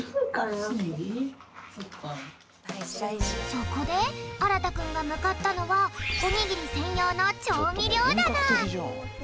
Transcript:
そこであらたくんがむかったのはおにぎりせんようのちょうみりょうだな！